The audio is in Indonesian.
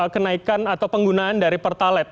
kenaikan atau penggunaan dari pertalet